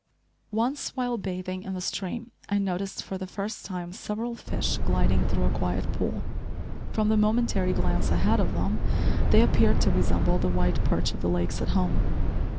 Once while bathing in the stream, I noticed, for the first time, several fish gliding through a quiet pool. From the momentary glance I had of them they appeared to resemble the white perch of the lakes at home.